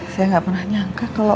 saya nggak pernah nyangka kalau